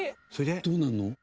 どうなるの？